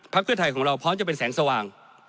เพื่อไทยของเราพร้อมจะเป็นแสงสว่าง